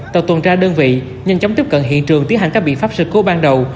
tàu tuần tra đơn vị nhanh chóng tiếp cận hiện trường tiến hành các biện pháp sự cố ban đầu